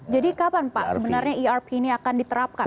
jadi kapan pak sebenarnya irp ini akan diterapkan